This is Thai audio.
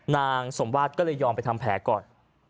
นางสมวาสก็เลยยอมไปทำแผลก่อน